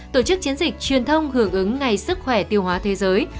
tổ chức chiến dịch truyền thông hưởng ứng ngày sức khỏe tiêu hóa thế giới